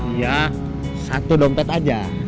iya satu dompet aja